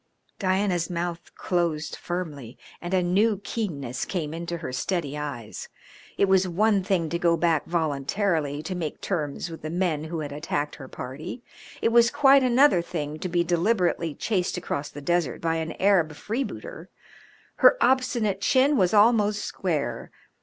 Diana's mouth closed firmly and a new keenness came into her steady eyes. It was one thing to go back voluntarily to make terms with the men who had attacked her party; it was quite another thing to be deliberately chased across the desert by an Arab freebooter. Her obstinate chin was almost square.